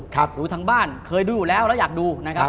ดูทั้งบ้านเคยดูอยู่แล้วแล้วอยากดูนะครับ